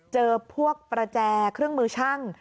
เจอพวกประแจเครื่องมือช่าง